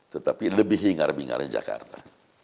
tetapi lebih hingar bingarnya jakarta